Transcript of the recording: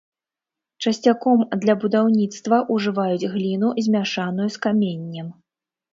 Часцяком для будаўніцтва ўжываюць гліну, змяшаную з каменнем.